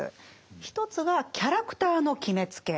一つが「キャラクターの決めつけ」。